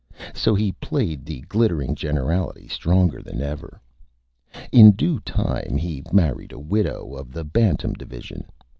So he played the Glittering Generality stronger than ever. In Due Time he Married a Widow of the Bantam Division.